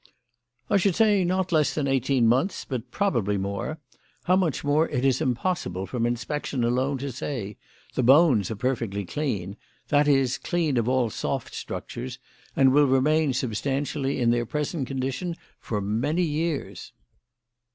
"I should say not less than eighteen months, but probably more. How much more it is impossible from inspection alone to say. The bones are perfectly clean that is, clean of all soft structures and will remain substantially in their present condition for many years."